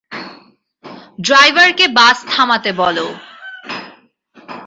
ড্রাইভারকে বাস থামাতে বলো।